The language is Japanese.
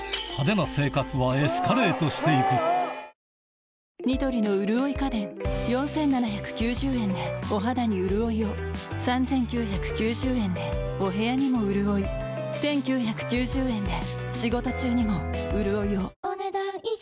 彼女の人を引きつけるそれはそして４，７９０円でお肌にうるおいを３，９９０円でお部屋にもうるおい１，９９０円で仕事中にもうるおいをお、ねだん以上。